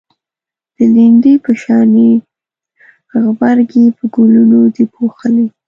د لیندۍ په شانی غبرگی په گلونو دی پوښلی